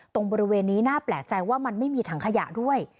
ตรงบริเวณนี้น่าแปลกใจว่ามันไม่มีถังขยะด้วย